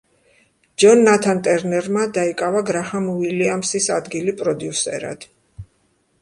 ჯონ ნათან ტერნერმა დაიკავა გრაჰამ უილიამსის ადგილი პროდიუსერად.